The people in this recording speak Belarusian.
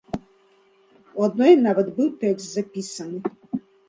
У адной нават быў тэкст запісаны.